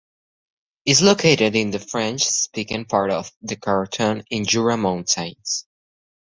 It is located in the French-speaking part of the canton in the Jura mountains.